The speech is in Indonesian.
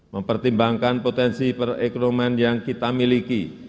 mempertimbangkan potensi perekonomian yang kita miliki